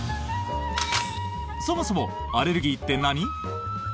そもそもアレルギーって何？